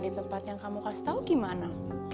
di tempat yang kamu kasih tahu gimana